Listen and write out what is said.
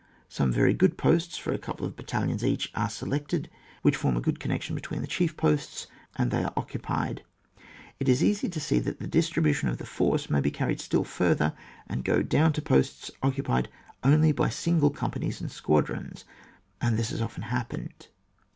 Some very good posts for a couple of battalions each are selected, which form a good connection between the chief postis, and they are occupied. It is easy to see that the distribution of the force may be carried still farther, and go down to posts occupied only by single com panies and squadrons ; and this has often happened.